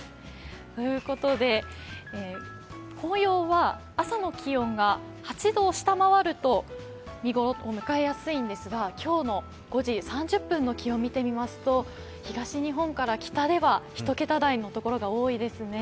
ということで、紅葉は朝の気温が８度を下回ると見頃を迎えやすいんですが、今日の５時３０分の様子を見ますと東日本から北では１桁台の所が多いですね。